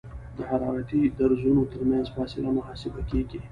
د حرارتي درزونو ترمنځ فاصله محاسبه کیږي